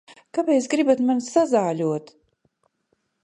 Kāpēc gribat mani sazāļot?